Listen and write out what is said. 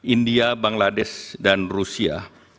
india bangladesh dan rusia